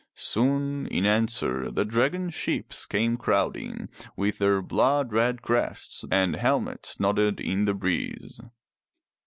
Soon, in answer, the dragon ships came crowding, with their blood red crests, and helmets nodded in the breeze.